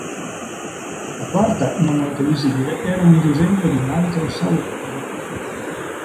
La quarta, non molto visibile, era un disegno di un altro sauropode.